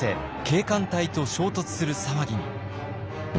警官隊と衝突する騒ぎに。